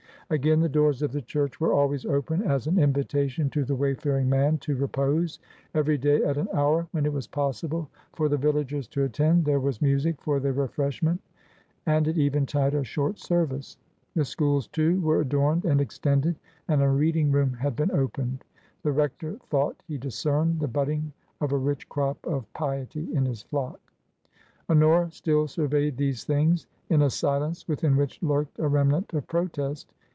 Again, the doors of the church were always open as an invitation to the wayfaring man to repose ; every day at an hour when it was possible for the villagers to attend, there was music for their refreshment, and at eventide a short service. The schools, too, were adorned and extended, and a reading room had been opened. The rector thought he discerned the budding of a rich crop of piety in his flock. Honora still surveyed these things in a silence within which lurked a remnant of protest.